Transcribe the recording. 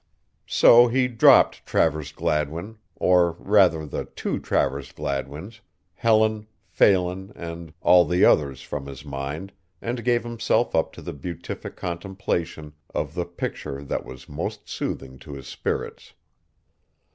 So he dropped Travers Gladwin, or rather the two Travers Gladwins, Helen, Phelan and all the others from his mind and gave himself up to the beatific contemplation of the picture that was most soothing to his spirits.